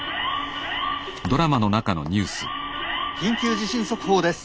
「緊急地震速報です。